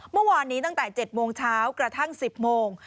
เมื่อวานนี้ตั้งแต่๗โมงเช้ากระทั่ง๑๐โมง